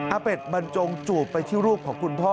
เป็ดบรรจงจูบไปที่รูปของคุณพ่อ